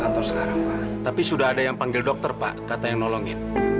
dan ini bahaya sekali